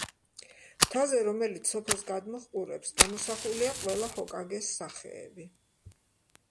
მთაზე, რომელიც სოფელს გადმოჰყურებს გამოსახულია ყველა ჰოკაგეს სახეები.